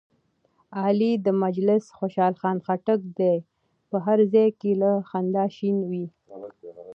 علي د مجلس خوشحال خټک دی، په هر ځای کې له خندا شین وي.